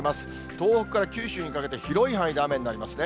東北から九州にかけて広い範囲で雨になりますね。